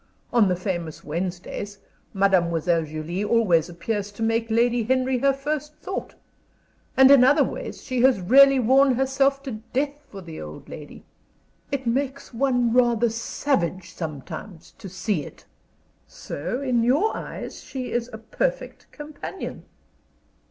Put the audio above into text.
On the famous Wednesdays, Mademoiselle Julie always appears to make Lady Henry her first thought. And in other ways she has really worn herself to death for the old lady. It makes one rather savage sometimes to see it." "So in your eyes she is a perfect companion?"